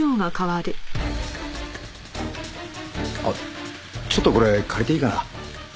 あっちょっとこれ借りていいかな？